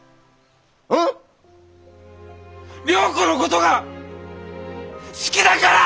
良子のことが好きだから！